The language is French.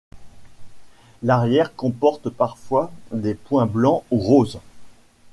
L'arrière comporte parfois des points blancs ou roses.